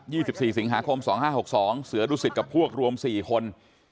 ๒๔สิงหาคม๒๕๖๒เสือดุสิตกับพวกรวม๔คน